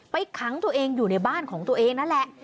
ขังตัวเองอยู่ในบ้านของตัวเองนั่นแหละ